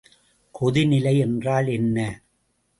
கொதிநிலை என்றால் என்ன?